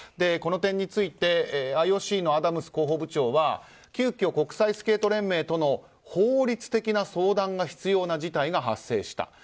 この点についてＩＯＣのアダムス広報部長は急きょ、国際スケート連盟との法律的な相談が必要な事態が発生した。